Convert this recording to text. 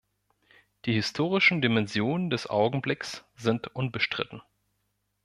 Die historischen Dimensionen des Augenblicks sind unbestritten.